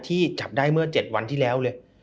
ที่จับได้เมื่อ๗วันที่แล้วเลย